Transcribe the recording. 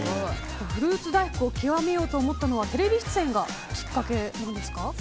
フルーツ大福を極めようと思ったのはテレビ出演がきっかけなんですか。